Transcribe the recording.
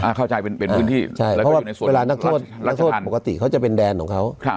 เข้าใจเป็นพื้นที่ใช่เพราะว่าเวลานักโทษนักโทษผ่านปกติเขาจะเป็นแดนของเขา